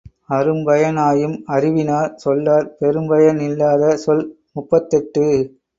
அரும்பய னாயும் அறிவினார் சொல்லார் பெரும்பய னில்லாத சொல் முப்பத்தெட்டு.